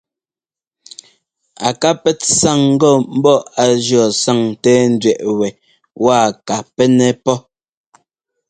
A ká pɛ́t sáŋ ŋgɔ ḿbɔ́ á jʉɔ́ sáŋńtɛ́ɛńdẅɛꞌ wɛ waa ka pɛ́nɛ́ pɔ́.